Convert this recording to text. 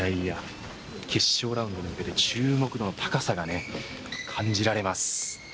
決勝ラウンドに向けて注目度の高さが感じられます。